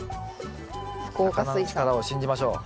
魚の力を信じましょう。